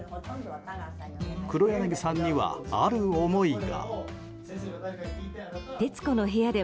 黒柳さんには、ある思いが。